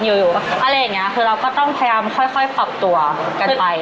อะไรอย่างนี้คือเราก็ต้องพยายามค่อยปรับตัวกันไป